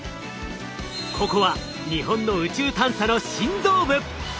ここは日本の宇宙探査の心臓部！